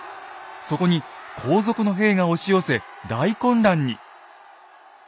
そこに後続の兵が押し寄せ大混乱に。